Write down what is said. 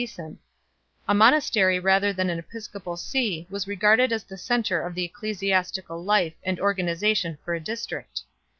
439 monastery rather than an episcopal see was regarded as the centre of ecclesiastical life and organization for a district.